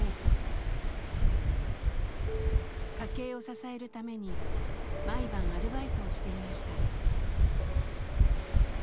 家計を支えるために毎晩アルバイトをしていました。